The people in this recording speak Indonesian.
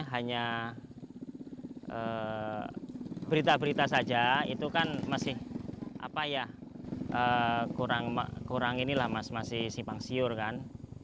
hanya berita berita saja itu kan masih kurang inilah masih simpang siur kan